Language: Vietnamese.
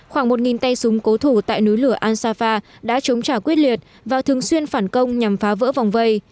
khoảng một tay súng cố thủ tại núi lửa ansafa đã chống trả quyết liệt và thường xuyên phản công nhằm phá vỡ vòng vây